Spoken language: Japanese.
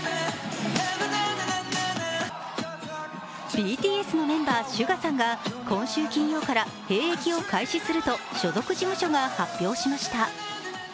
ＢＴＳのメンバー・ＳＵＧＡさんが今週金曜から兵役を開始すると所属事務所が発表しました。